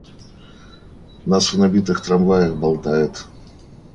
Нас в набитых трамваях болтает.